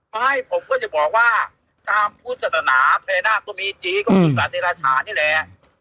ไม่ผมก็จะบอกว่าตามพูดสถานะพยานาคก็มีจริงก็มีศาสนิรชานี่แหละ